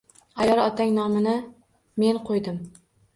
Ayol otang nomini men qoʻydim.